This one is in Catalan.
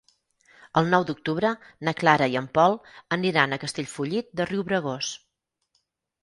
El nou d'octubre na Clara i en Pol aniran a Castellfollit de Riubregós.